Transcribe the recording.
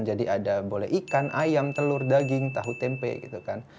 jadi ada boleh ikan ayam telur daging tahu tempe gitu kan